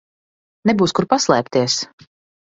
Nebūs kur paslēpties.